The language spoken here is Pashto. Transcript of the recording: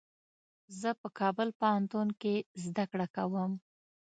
زه په کابل پوهنتون کي زده کړه کوم.